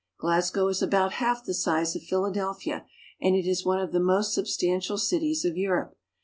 Glasgow is about half the size of Philadelphia, and it is one of the most substantial cities of Europe.